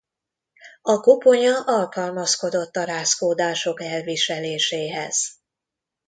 A koponya alkalmazkodott a rázkódások elviseléséhez.